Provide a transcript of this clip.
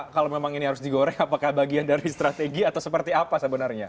kalau memang ini harus digoreng apakah bagian dari strategi atau seperti apa sebenarnya